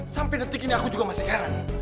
sampai detik ini aku juga masih karen